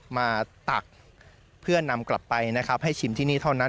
ตักเพื่อนำกลับไปนะครับให้ชิมที่นี่เท่านั้น